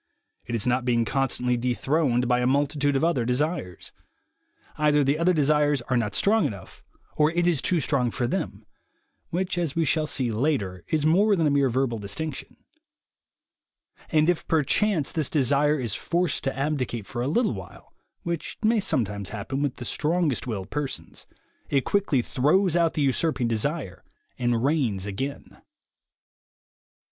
It is not being constantly dethroned by a multitude of other desires. Either the other desires are not strong enough, or it is too strong for them (which, as we shall see later, is more than a mere verbal distinction) ; and if perchance this desire is forced to abdicate for a little while, which may sometimes happen with the strongest willed persons, it quickly throws out the usurping desire and reigns again.